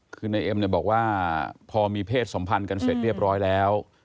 คือนายเอ็มเนี่ยบอกว่าพอมีเพศสัมพันธ์กันเสร็จเรียบร้อยแล้ว